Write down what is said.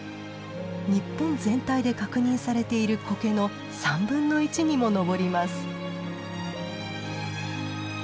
日本全体で確認されているコケの３分の１にも上ります。